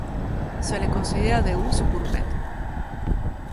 Se le considera de uso gourmet.